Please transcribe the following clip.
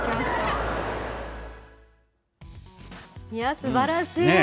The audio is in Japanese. すばらしい。